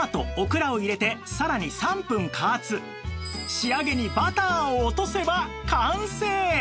仕上げにバターを落とせば完成！